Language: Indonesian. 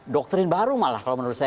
doktrin baru malah kalau menurut saya